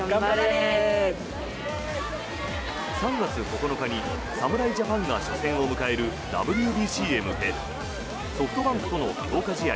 ３月９日に侍ジャパンが初戦を迎えるＷＢＣへ向けソフトバンクとの強化試合